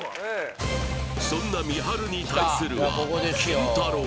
そんなみはるに対するはキンタロー。